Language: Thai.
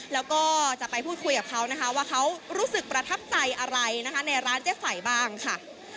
แล้วก็จะไปพูดคุยกับเขานะคะว่าเขารู้สึกประทับใจอะไรนะคะในร้านเจ๊ไฝบ้างค่ะ